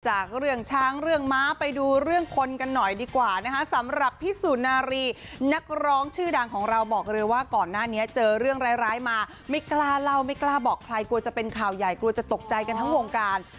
จากเรื่องช้างเรื่องม้าไปดูเรื่องคนกันหน่อยดีกว่านะคะสำหรับพี่สุนารีนักร้องชื่อดังของเราบอกเลยว่าก่อนหน้านี้เจอเรื่องร้ายมาไม่กล้าเล่าไม่กล้าบอกใครกลัวจะเป็นข่าวใหญ่กลัวจะตกใจกันทั้งวงการ